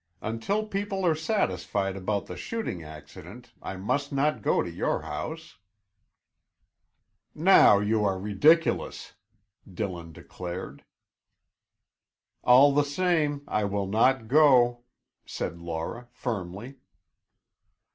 Until people are satisfied about the shooting accident, I must not go to your house." "Now you are ridiculous!" Dillon declared. "All the same, I will not go," said Laura firmly.